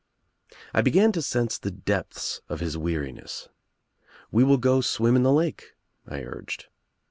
I began to sense the depths of his weariness. "We will go swim in the lake," I urged.